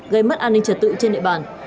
gây mất an ninh trật tự trên địa bàn